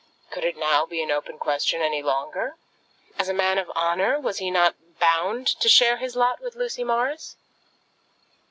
Could it now be an open question any longer? As a man of honour, was he not bound to share his lot with Lucy Morris?